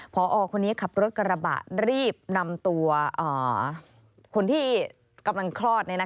พอคนนี้ขับรถกระบะรีบนำตัวคนที่กำลังคลอด